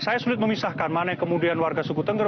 saya sulit memisahkan mana yang kemudian warga suku tengger